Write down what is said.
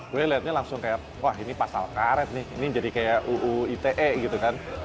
gue liatnya langsung kayak wah ini pasal karet nih ini jadi kayak uu ite gitu kan